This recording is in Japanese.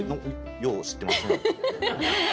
よう知ってますね。